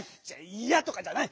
「いや」とかじゃない。